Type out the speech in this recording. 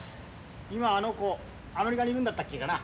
今あの子アメリカにいるんだったっけかな？